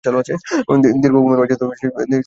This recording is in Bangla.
দীর্ঘ ঘুমের মাঝে সে প্রশান্তি খুঁজে পায়।